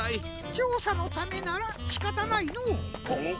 ちょうさのためならしかたないのう。